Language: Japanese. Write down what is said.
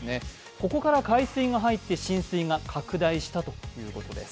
ここから海水が入って浸水が拡大したということです。